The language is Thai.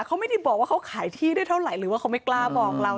เขาไม่ได้บอกว่าเขาขายที่ได้เท่าไหร่หรือว่าเขาไม่กล้าบอกเรา